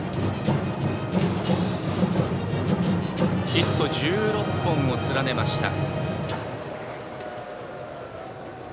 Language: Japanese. ヒット１６本を連ねました。